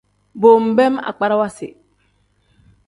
Bo nbeem agbarawa si.